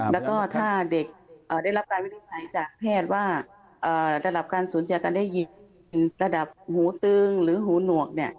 แล้วก็ถ้าเด็กได้รับการวินิจฉัยจากแพทย์ว่าระดับการสูญเสียการได้หยิกระดับหูตึงหรือหูหนวก